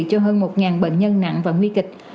cho hơn một bệnh nhân nặng và nguy kịch